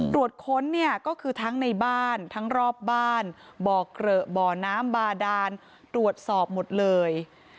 ตรวจค้นเนี่ยก็คือทั้งในบ้านทั้งรอบบ้านบ่อเกลอะบ่อน้ำบาดานตรวจสอบหมดเลย